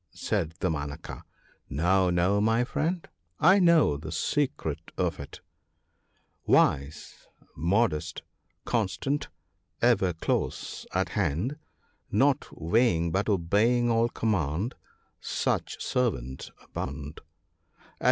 ' said Damanaka ;* no, no, my friend, I know the secret of it, —" Wise, modest, constant, ever close at hand, Not weighing but obeying all command, Such servant by a Monarch's throne may stand.